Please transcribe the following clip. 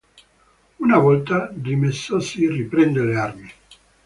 Una volta rimessosi, riprende le armi.